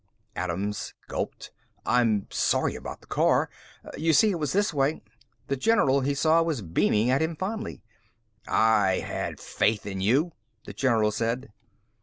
Adams gulped. "I'm sorry about the car. You see, it was this way...." The general, he saw, was beaming at him fondly. "I had faith in you," the general said.